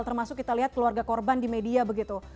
termasuk kita lihat keluarga korban di media begitu